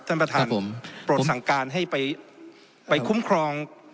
ท่านประธานโปรดสั่งการให้ไปคุ้มครอง